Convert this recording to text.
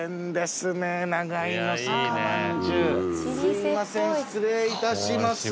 すいません失礼いたします。